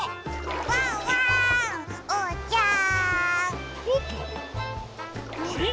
ワンワーンおうちゃん！